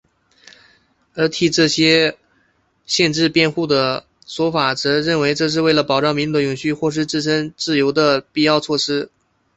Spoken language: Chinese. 而替这些限制辩护的说法则认为这是为了保障民主的永续或是自由本身的必要措施。